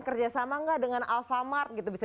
kerjasama gak dengan alfamart bisa